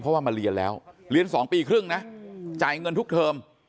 เพราะว่ามาเรียนแล้วเรียน๒ปีครึ่งนะจ่ายเงินทุกเทอม